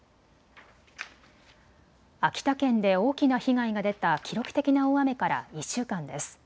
秋田県で大きな被害が出た記録的な大雨から１週間です。